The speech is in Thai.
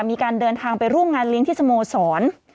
มีการเดินทางไปร่วมงานเลี้ยงที่สโมสร